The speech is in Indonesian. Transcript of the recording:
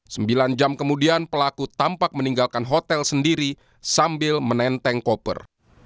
sembilan jam kemudian pelaku tampak meninggalkan hotel sendiri sambil menenteng koper